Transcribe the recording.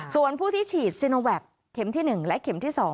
ส่วนผู้ที่ฉีดซีโนแวคเข็มที่๑และเข็มที่๒